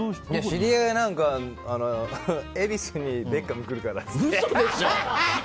知り合いが恵比寿にベッカム来るからって。